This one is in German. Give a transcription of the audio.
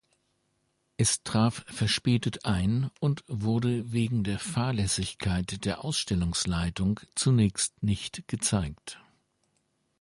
Es traf verspätet ein und wurde wegen der Fahrlässigkeit der Ausstellungsleitung zunächst nicht gezeigt.